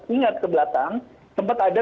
ingat ke belakang sempat ada